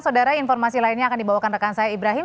saudara informasi lainnya akan dibawakan rekan saya ibrahim